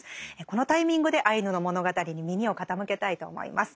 このタイミングでアイヌの物語に耳を傾けたいと思います。